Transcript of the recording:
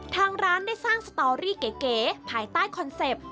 ทางร้านได้สร้างสตอรี่เก๋ภายใต้คอนเซ็ปต์